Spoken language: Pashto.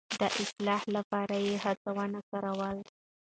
د اصلاح لپاره يې هڅونه کاروله.